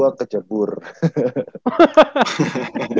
kalau itu gue ke jaguar itu ya itu udah ke ugm ya